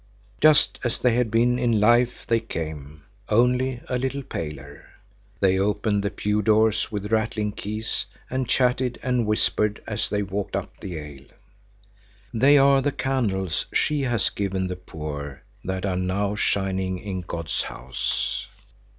Just as they had been in life they came, only a little paler. They opened the pew doors with rattling keys and chatted and whispered as they walked up the aisle. "They are the candles she has given the poor that are now shining in God's house."